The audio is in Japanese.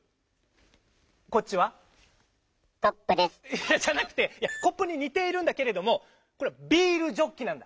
いやじゃなくてコップににているんだけれどもこれは「ビールジョッキ」なんだ。